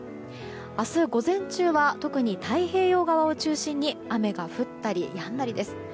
明日午前中は特に太平洋側を中心に雨が降ったりやんだりです。